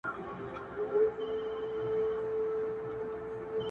o لا به په تا پسي توېږي اوښکي.